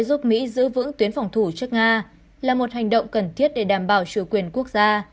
giúp mỹ giữ vững tuyến phòng thủ trước nga là một hành động cần thiết để đảm bảo chủ quyền quốc gia